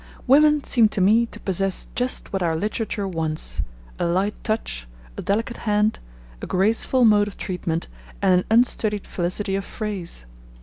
Women seem to me to possess just what our literature wants a light touch, a delicate hand, a graceful mode of treatment, and an unstudied felicity of phrase.